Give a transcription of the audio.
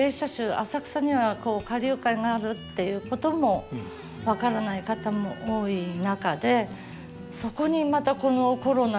浅草には花柳界があるっていうことも分からない方も多い中でそこにまたこのコロナになりましたでしょ。